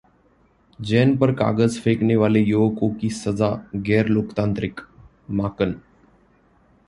जैन पर कागज फेंकने वाले युवकों की सजा गैर लोकतांत्रिक: माकन